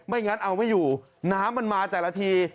ไม่อย่างนั้นเอาไว้อยู่น้ำมันมาแต่ละที